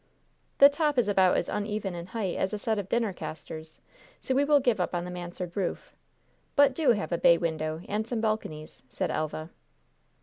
"The top is about as uneven in height as a set of dinner casters, so we will give up the mansard roof. But do have a bay window and some balconies," said Elva.